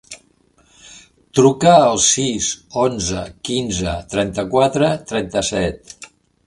Truca al sis, onze, quinze, trenta-quatre, trenta-set.